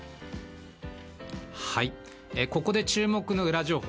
ここで注目のウラ情報